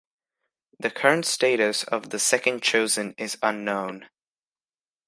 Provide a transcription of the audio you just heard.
The current status of the second Chosen is unknown.